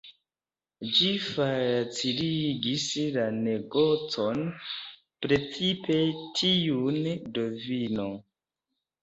Ĝi faciligis la negocon, precipe tiun de vino.